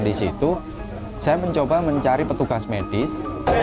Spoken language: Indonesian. dan disitu saya mencoba mencari petugas medis